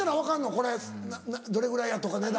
これどれぐらいやとか値段。